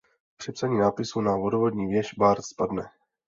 Při psaní nápisu na vodovodní věž Bart spadne.